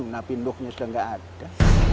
nabi nuh sudah enggak ada